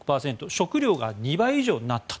食料が２倍以上になった。